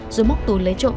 rồi móc túi lấy trộm